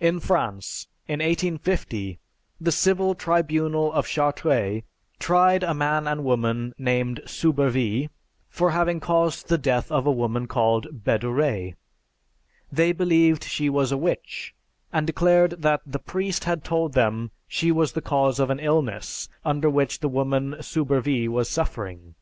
In France, in 1850, the Civil Tribunal of Chartres tried a man and woman named Soubervie for having caused the death of a woman called Bedouret. They believed she was a witch, and declared that the priest had told them she was the cause of an illness under which the woman Soubervie was suffering.